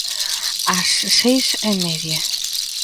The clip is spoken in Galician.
Ás seis e media.